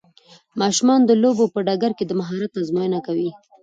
ماشومان د لوبو په ډګر کې د مهارت ازموینه کوي.